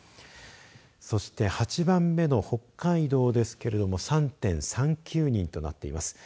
そして８番目の北海道ですが３．３９人となっています。